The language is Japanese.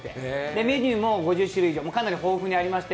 メニューも５０種類以上、かなり豊富にありまして。